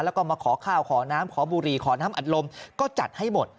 แล้วก็มาขอข้าวขอน้ำขอบุหรี่ขอน้ำอัดลมก็จัดให้หมด